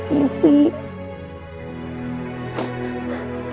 aku jadi penonton tv